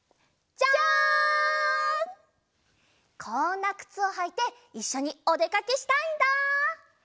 こんなくつをはいていっしょにおでかけしたいんだ。